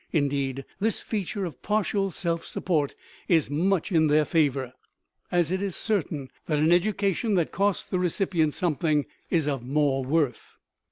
Indeed, this feature of partial self support is much in their favor, as it is certain that an education that costs the recipient something is of more worth.